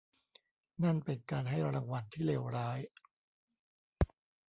นั่นเป็นการให้รางวัลที่เลวร้าย !